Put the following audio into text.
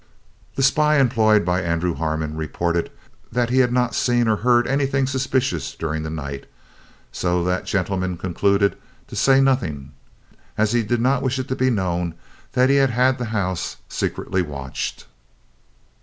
The spy employed by Andrew Harmon reported that he had not seen or heard anything suspicious during the night, so that gentleman concluded to say nothing, as he did not wish it to be known that he had had the house secretly watched.